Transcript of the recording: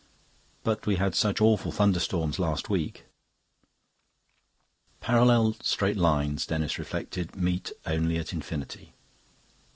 "But we had such awful thunderstorms last week." Parallel straight lines, Denis reflected, meet only at infinity.